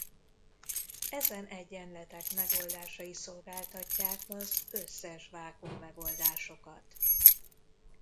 Ezen egyenletek megoldásai szolgáltatják az összes vákuum-megoldásokat.